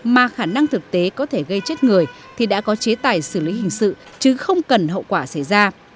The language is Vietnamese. mà khả năng thực tế có thể gây chết người thì đã có chế tài xử lý hình sự chứ không cần hậu quả xảy ra